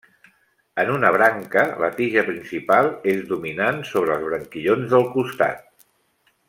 En una branca la tija principal és dominant sobre els branquillons del costat.